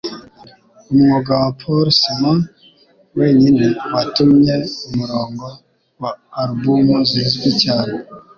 Umwuga wa Paul Simon wenyine watumye umurongo wa alubumu zizwi cyane